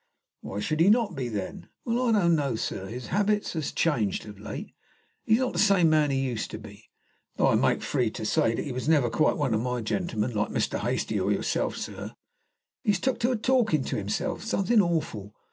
"Why should he not be, then?" "Well, I don't know, sir. His habits has changed of late. He's not the same man he used to be, though I make free to say that he was never quite one of my gentlemen, like Mr. Hastie or yourself, sir. He's took to talkin' to himself something awful.